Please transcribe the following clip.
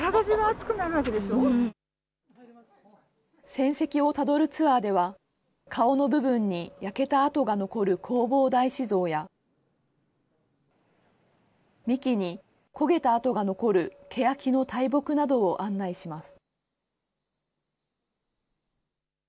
戦跡をたどるツアーでは、顔の部分に焼けた跡が残る弘法大師像や、幹に焦げた跡が残るケヤキの大木などを案内します。